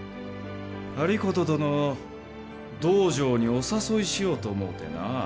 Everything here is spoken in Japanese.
有功殿を道場にお誘いしようと思うてな。